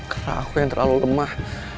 karena aku yang terlalu lemah